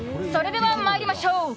それでは参りましょう。